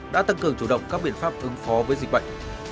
đã tăng cường chủ động các biện pháp ứng phó với dịch bệnh